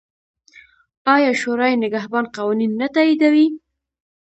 آیا شورای نګهبان قوانین نه تاییدوي؟